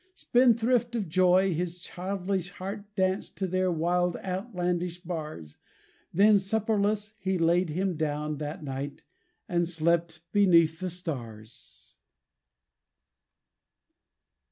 Spendthrift of joy, his childish heart Danced to their wild outlandish bars; Then supperless he laid him down That night, and slept beneath the stars.